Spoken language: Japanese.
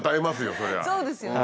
そうですよね。